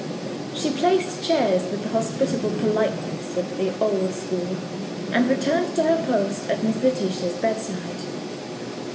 She placed chairs with the hospitable politeness of the old school and returned to her post at Miss Letitia's bedside.